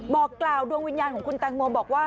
บอกกล่าวดวงวิญญาณของคุณแตงโมบอกว่า